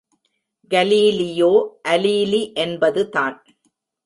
Galileo அலீலி என்பது தான்.